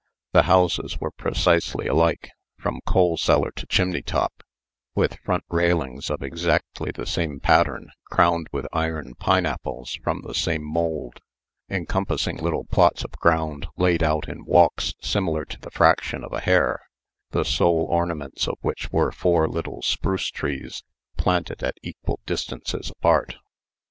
The houses were precisely alike, from coal cellar to chimney top, with front railings of exactly the same pattern, crowned with iron pineapples from the same mould, encompassing little plots of ground laid out in walks similar to the fraction of a hair; the sole ornaments of which were four little spruce trees, planted at equal distances apart.